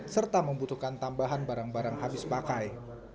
serta membutuhkan tambahan barang barang habis pakai